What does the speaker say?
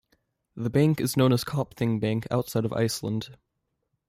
The bank is known as Kaupthing Bank outside of Iceland.